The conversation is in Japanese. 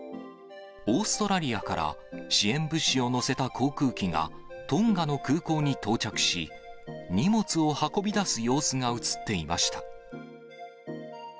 オーストラリアから支援物資を載せた航空機がトンガの空港に到着し、荷物を運び出す様子が写っていました。